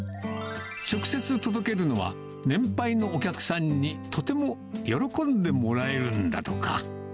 直接届けるのは、年配のお客さんにとても喜んでもらえるんだとか。